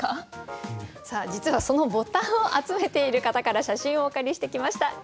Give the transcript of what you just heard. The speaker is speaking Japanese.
実はそのボタンを集めている方から写真をお借りしてきました。